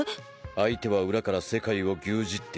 相手は裏から世界を牛耳っている。